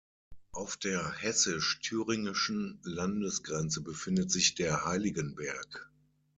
Auf der hessisch-thüringischen Landesgrenze befindet sich der Heiligenberg.